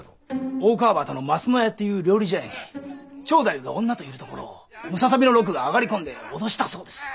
大川端のますの屋という料理茶屋に蝶太夫が女といるところをむささびの六が上がり込んで脅したそうです。